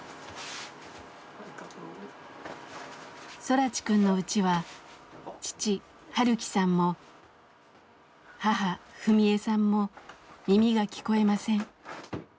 空知くんのうちは父晴樹さんも母史恵さんも耳が聞こえません。